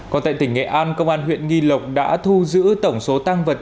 còn tại tỉnh nghệ an công an huyện nghi lộc đã thu giữ tổng số tăng vật